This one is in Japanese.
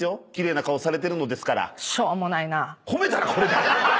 褒めたらこれだよ！